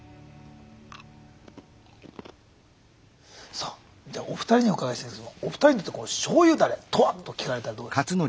さあお二人にお伺いしたいんですがお二人にとって醤油ダレとはと聞かれたらどうですか？